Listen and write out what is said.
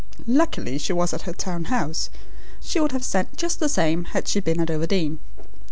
Luckily she was at her town house. She would have sent just the same had she been at Overdene.